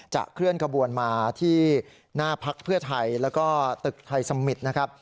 เคลื่อนขบวนมาที่หน้าพักเพื่อไทยแล้วก็ตึกไทยสมิตรนะครับ